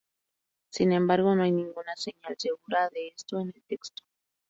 Sin embargo no hay ninguna señal segura de esto en el texto.